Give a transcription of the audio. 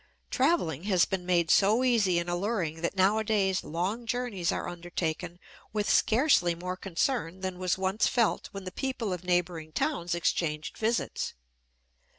Traveling has been made so easy and alluring that nowadays long journeys are undertaken with scarcely more concern than was once felt when the people of neighboring towns exchanged visits.